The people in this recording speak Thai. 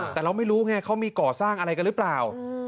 แต่เราไม่รู้ไงเขามีก่อสร้างอะไรกันหรือเปล่า